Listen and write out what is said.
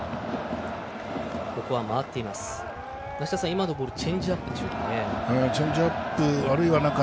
今のボールチェンジアップでしょうか。